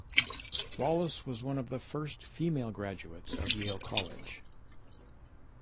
Wallace was one of the first female graduates of Yale College.